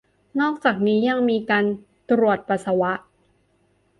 นอกจากนี้ยังมีการตรวจปัสสาวะ